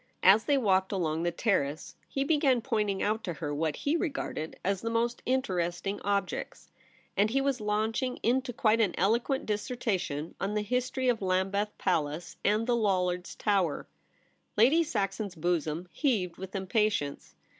As they walked along the Terrace he began pointing out to her what he regarded as the most interesting objects, and he was launching into quite an eloquent dissertation on the history of Lambeth Palace and the Lollards' Tower. Lady Saxon's bosom heaved with impatience.